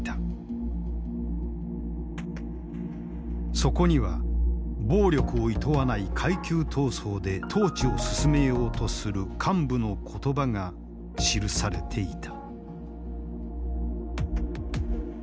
そこには暴力をいとわない階級闘争で統治を進めようとする幹部の言葉が記されていた。